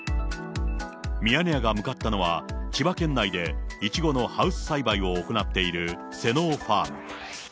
ミヤネ屋が向かったのは、千葉県内でイチゴのハウス栽培を行っているセノウファーム。